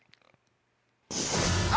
あ！